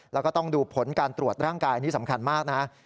แล้วก็ต้องดูผลการตรวจร่างกายอันนี้สำคัญมากนะ